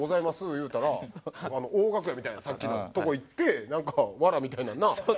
言うたら大楽屋みたいなさっきのとこ行ってなんか藁みたいなんな敷いてて。